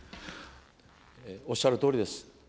おっしゃるとおりです。